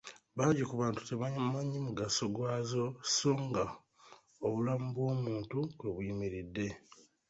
Bangi ku bantu tebamanyi mugaso gwazo so ng’obulamu bw’omuntu kwe buyimiridde.